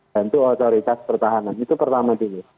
tentu otoritas pertahanan itu pertama dulu